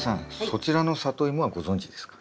そちらのサトイモはご存じですか？